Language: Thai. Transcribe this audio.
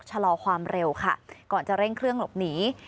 ชะลอความเร็วค่ะก่อนจะเร่งเครื่องหลบหนี